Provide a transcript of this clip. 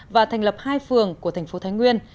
và thành lập hai phường của thành phố thái nguyên